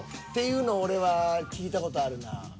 っていうのを俺は聞いた事あるな。